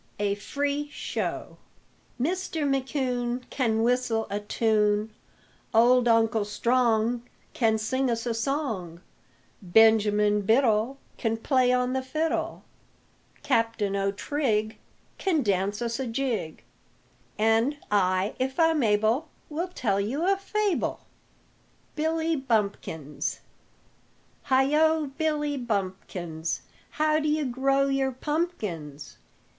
A FREE SHOW Mister McCune Can whistle a tune, Old Uncle Strong Can sing us a song, Benjamin Biddle Can play on the fiddle, Captain O'Trigg Can dance us a jig, And I, if I'm able, Will tell you a fable. BILLY BUMPKINS Heigho, Billy Bumpkins, How d' you grow your pumpkins?